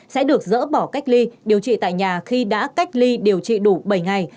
sẽ được dỡ bỏ cách ly điều trị tại nhà khi đã cách ly điều trị đủ bảy ngày